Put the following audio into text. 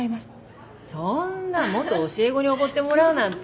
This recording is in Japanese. そんな元教え子におごってもらうなんて。